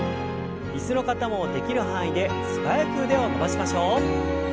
椅子の方もできる範囲で素早く腕を伸ばしましょう。